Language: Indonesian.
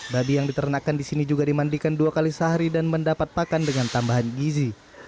babi yang diternakan di sini juga dimandikan dua kali sehari dan mendapat pakan dengan tambahan gizi